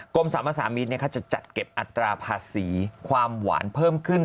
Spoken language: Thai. สามภาษามิตรจะจัดเก็บอัตราภาษีความหวานเพิ่มขึ้น